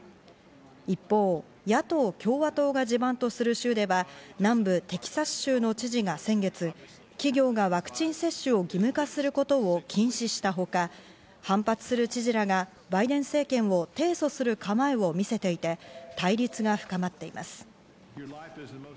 一方、野党・共和党が地盤とする州では南部テキサス州の知事が先月、企業がワクチン接種を義務化することを禁止したほか、反発する知事らがバイデン政権を提訴する構えを見せていて、対立が深まっています。